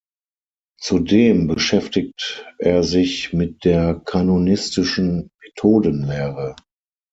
Zudem beschäftigt er sich mit der kanonistischen Methodenlehre.